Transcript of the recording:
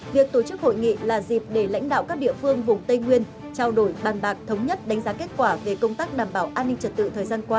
việc tổ chức hội nghị là dịp để lãnh đạo các địa phương vùng tây nguyên trao đổi bàn bạc thống nhất đánh giá kết quả về công tác đảm bảo an ninh trật tự thời gian qua